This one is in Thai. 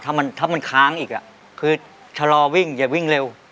ถ้ามันค้างอีกคือชะลอวิ่งอย่าวิ่งเร็ว